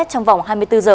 trong vòng hai mươi bốn h